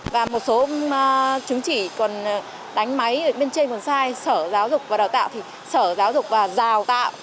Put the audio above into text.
và một số chứng chỉ còn đánh máy bên trên còn sai sở giáo dục và đào tạo thì sở giáo dục và đào tạo